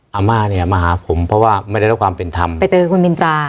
อำมาตย์มาหาผมเพราะไม่ได้กลัวความเป็นธรรม